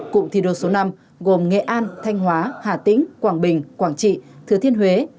cụm thi đua số năm gồm nghệ an thanh hóa hà tĩnh quảng bình quảng trị thứ thiên huế